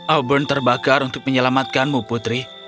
oborn terbakar untuk menyelamatkanmu putri